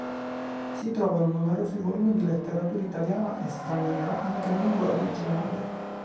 Si trovano numerosi volumi di letteratura italiana e straniera anche in lingua originale.